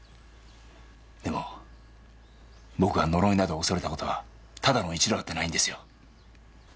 でも僕は呪いなど恐れた事はただの一度だってないんですよ。